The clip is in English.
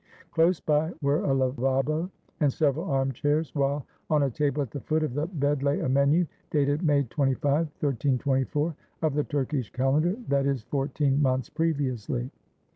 Close by were a lavabo and several armchairs, while on a table at the foot of the bed lay a menu, dated May 25, 1324 (of the Turkish calendar), i.e., fourteen months previously.